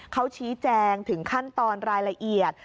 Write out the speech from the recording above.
เขาชี้แจงถึงขั้นตอนรายละเอียด